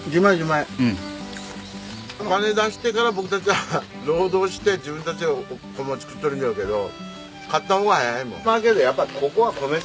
お金出してから僕たちは労働して自分たちでお米を作っとるんじゃろうけど買った方が早いもん。